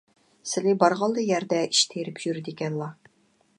سىلى بارغانلا يەردە ئىش تېرىپ يۈرىدىكەنلا.